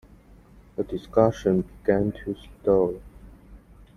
The discussion began to stall.